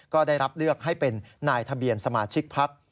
ก็ได้รับเลือกให้เป็นนายทะเบียนสมาชิกพัก